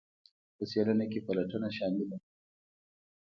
په څیړنه کې پلټنه شامله ده.